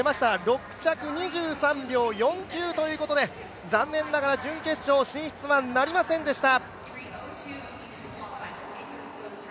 ６着、２３秒４９ということで、残念ながら準決勝進出はなりませんでした。